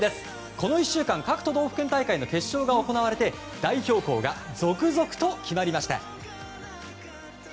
この１週間各都道府県大会の決勝が行われて代表校が続々と決まりました。